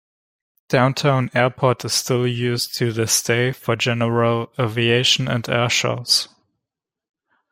Downtown Airport is still used to this day for general aviation and airshows.